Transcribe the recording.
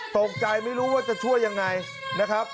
ตกใจไม่รู้ว่าจะช่วยยังไงนะครับ